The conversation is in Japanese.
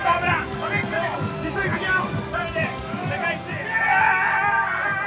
アベックで一緒にかけあおう。